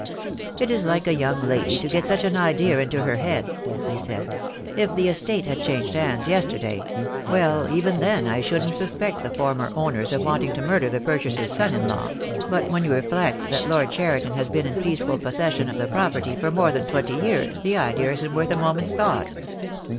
"It is like a young lady to get such an idea into her head," he said. "If the estate had changed hands yester day— well, even then I shouldn't suspect the fonner owners of wanting to murder the purchaser's son in law; but when you reflect that Lord Cheriton has been in peaceful pos session of the property for more than twenty years the idea isn't worth a moment's thought.